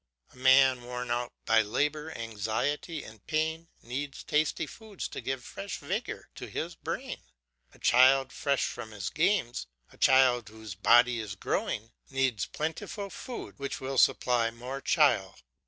A man worn out by labour, anxiety, and pain needs tasty foods to give fresh vigour to his brain; a child fresh from his games, a child whose body is growing, needs plentiful food which will supply more chyle.